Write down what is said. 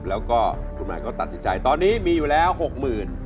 แล้วก็คุณหมายก็ตัดสินใจตอนนี้มีอยู่แล้ว๖๐๐๐บาท